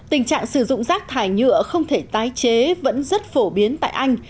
tình trạng sử dụng rác thải nhựa không thể tái chế vẫn rất phổ biến tại anh